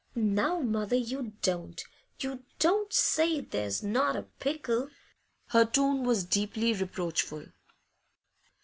'Now, mother, you don't you don't say as there's not a pickle!' Her tone was deeply reproachful.